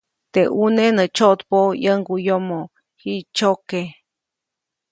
Teʼ ʼuneʼ nä tsyoʼtpäʼu ʼyäŋguʼyomo, jiʼtsyoke.